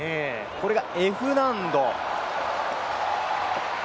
これがＦ難度。